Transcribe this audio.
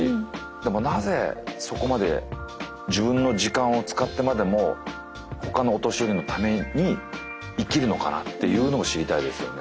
でもなぜそこまで自分の時間を使ってまでも他のお年寄りのために生きるのかなっていうのを知りたいですよね。